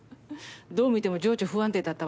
どう見ても情緒不安定だったわよ？